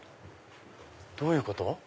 どういうこと？